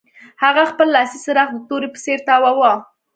هغه خپل لاسي څراغ د تورې په څیر تاواوه